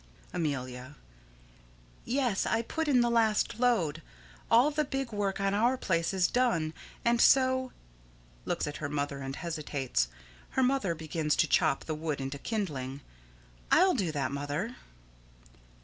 Amelia: Yes. I put in the last load. All the big work on our place is done, and so [Looks at her mother and hesitates. Her mother begins to chop the wood into kindling.] I'll do that, Mother.